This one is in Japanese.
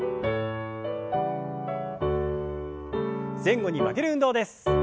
前後に曲げる運動です。